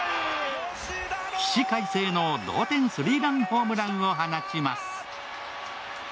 起死回生の同点スリーランホームランを放ちます